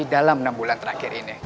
dalam enam bulan terakhir ini